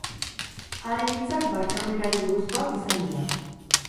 Haren hitzak barkamenari buruzkoak izan dira.